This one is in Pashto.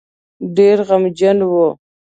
ډېر غمجن وو.